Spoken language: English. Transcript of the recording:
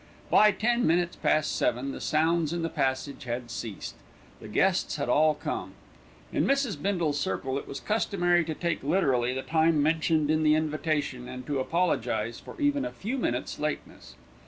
By ten minutes past seven, the sounds in the passage had ceased the guests had all come. In Mrs. Bindle's circle it was customary to take literally the time mentioned in the invitation, and to apologise for even a few minutes' lateness.